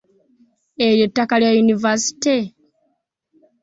Eryo ttaka lya yunivaasite?